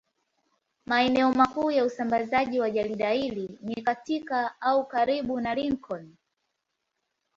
Maeneo makuu ya usambazaji wa jarida hili ni katika au karibu na Lincoln.